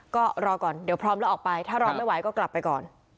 ก็รอก่อนเดี๋ยวพร้อมแล้วออกไปถ้ารอไม่ไหวก็กลับไปก่อน